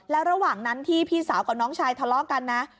แล้วระหว่างนั้นที่พี่สาวกับน้องชายทะเลาะกันนะ